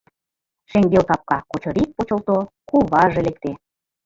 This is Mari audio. Шеҥгел капка кочырик почылто, куваже лекте.